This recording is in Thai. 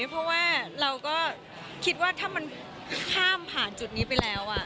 เพราะว่าเราก็คิดว่าถ้ามันข้ามผ่านจุดนี้ไปแล้ว